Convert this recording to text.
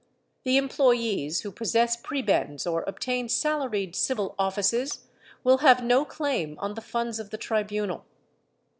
The employees who possess prebends or obtain sal aried civil offices will have no claim on the funds of the Tribunal.